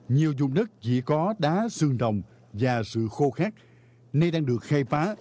nhiều dụng đất chỉ có đá xương đồng và sự khô khát nay đang được khai phá